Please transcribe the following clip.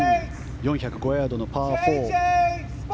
４０５ヤードのパー４。